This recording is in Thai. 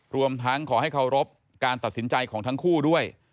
รวมทั้งขอให้เคารพการตัดสินใจของทั้งคู่ด้วย